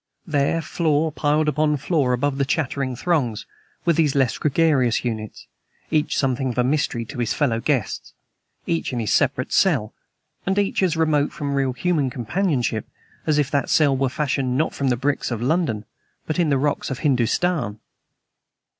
There, floor piled upon floor above the chattering throngs, were these less gregarious units, each something of a mystery to his fellow guests, each in his separate cell; and each as remote from real human companionship as if that cell were fashioned, not in the bricks of London, but in the rocks of Hindustan!